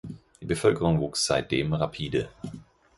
Die Bevölkerung wuchs seitdem rapide.